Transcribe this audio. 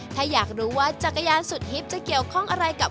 ถ้าอยากรู้ว่าจักรยานสุดฮิตจะเกี่ยวข้องอะไรกับ